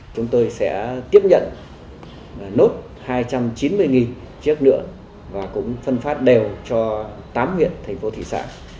chúng tôi sẽ tiếp nhận nốt hai trăm chín mươi chiếc lượng và cũng phân phát đều cho tám huyện thành phố thị xã